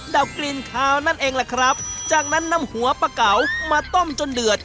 ดับกลิ่นขาวนั่นเองแหละครับจากนั้นนำหัวปลาเก๋ามาต้มจนเดือด